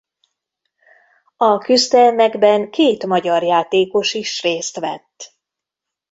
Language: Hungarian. A küzdelmekben két magyar játékos is részt vett.